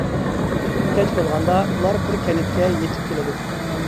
كەچ بولغاندا ئۇلار بىر كەنتكە يېتىپ كېلىدۇ.